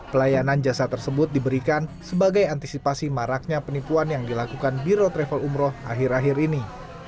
pelayanan jasa tersebut diberikan sebagai antisipasi maraknya penipuan yang dilakukan biro travel umroh akhir akhir ini